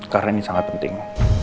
karena ini sangat penting